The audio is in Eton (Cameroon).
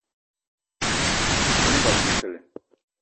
Nyom ngón Bikele o so!